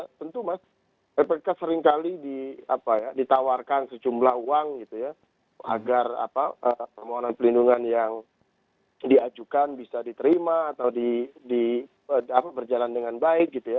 ya tentu mas ppk seringkali ditawarkan sejumlah uang gitu ya agar permohonan perlindungan yang diajukan bisa diterima atau berjalan dengan baik gitu ya